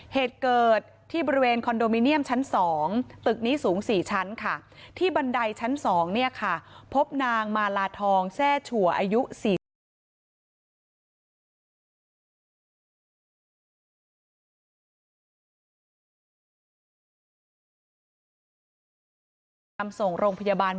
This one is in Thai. เหตุเกิดที่บริเวณคอนโดมิเนียมชั้น๒ตึกนี้สูง๔ชั้นค่ะที่บันไดชั้น๒เนี่ยค่ะพบนางมาลาทองแทร่ชัวอายุ๔๙ปี